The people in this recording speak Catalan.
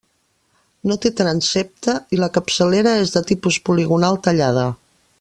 No té transsepte i la capçalera és de tipus poligonal tallada.